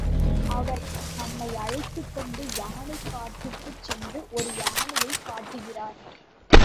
அவர் நம்மை அழைத்துக் கொண்டு யானைக் காட்டுக்கு சென்று ஒரு யானையைக் காட்டுகிறார்.